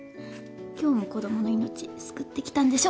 今日も子供の命救ってきたんでしょ。